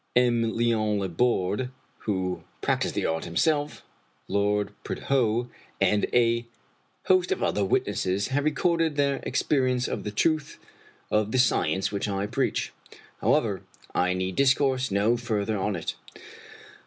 M. Leon Laborde, who practiced the art himself. Lord Prudhoe, and a host of other witnesses, have recorded their ex perience of the truth of the science which I preach. How ever, I need discourse no further on it.